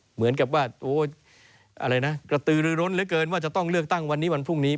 เหมือนกับว่าอะไรนะกระตือรือร้นเหลือเกินว่าจะต้องเลือกตั้งวันนี้วันพรุ่งนี้